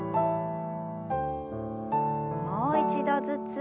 もう一度ずつ。